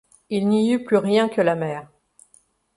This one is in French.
Il n’y eut plus rien que la mer.